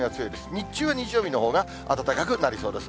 日中は日曜日のほうが暖かくなりそうです。